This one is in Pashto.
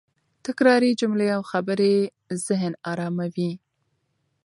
تکراري جملې او خبرې د ذهن اراموي.